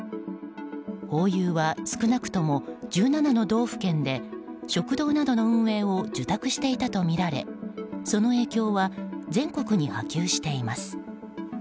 ホーユーは少なくとも１７の道府県で食堂などの運営を受託していたとみられその影響は全国に波及しています。